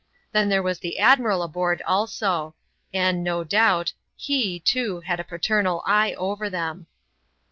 Then there was the admiral aboard, also ; and, no doubt, he too had a paternal eye over them.